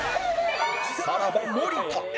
さらば森田